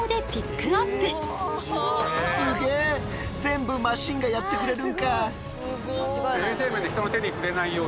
全部マシンがやってくれるんか。